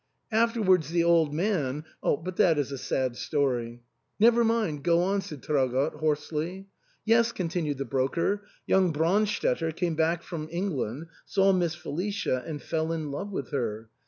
Afterwards the old man — but that is a sad story" "Never mind; go on," said Traugott, hoarsely. "Yes," continued the broker. "Young Brandstetter came back from England, saw Miss Feli^ cia, and fell in love with her.